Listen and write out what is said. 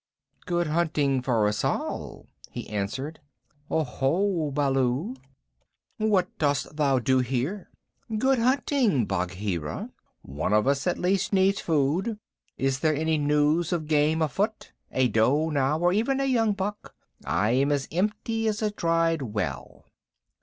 "Good hunting for us all," he answered. "Oho, Baloo, what dost thou do here? Good hunting, Bagheera. One of us at least needs food. Is there any news of game afoot? A doe now, or even a young buck? I am as empty as a dried well."